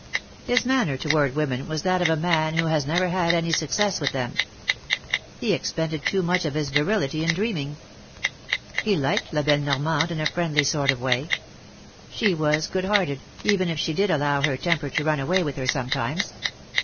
( His manner toward women was that of a man who has never had any success with them. ) He expended too much of his virility in dreaming. He liked La belle Normande in a friendly sort of way. She was good hearted, even if she did allow her temper to run away with her sometimes.